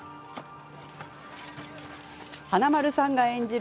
華丸さんが演じる